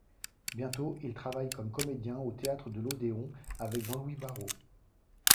Bientôt il travaille comme comédien au Théâtre de l'Odéon avec Jean-Louis Barrault.